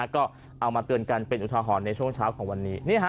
ก็เอามาเตือนกันเป็นอุทหรณ์ในช่วงเช้าของวันนี้